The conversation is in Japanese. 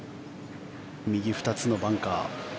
右、２つのバンカー。